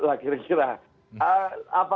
lah kira kira apa